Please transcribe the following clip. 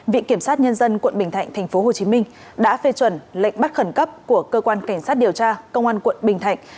viện kiểm sát nhân dân quận bình thạnh tp hcm đã phê chuẩn lệnh bắt khẩn cấp của cơ quan cảnh sát điều tra công an quận bình thạnh